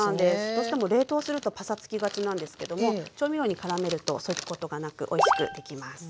どうしても冷凍するとパサつきがちなんですけども調味料にからめるとそういうことがなくおいしくできます。